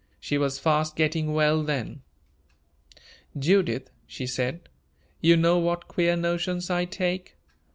She was fast getting well then. "Judith," she said, "you know what queer notions I take?